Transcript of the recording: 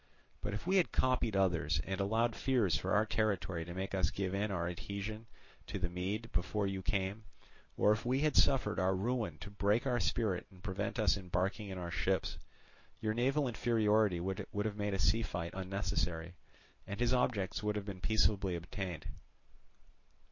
But if we had copied others, and allowed fears for our territory to make us give in our adhesion to the Mede before you came, or if we had suffered our ruin to break our spirit and prevent us embarking in our ships, your naval inferiority would have made a sea fight unnecessary, and his objects would have been peaceably attained.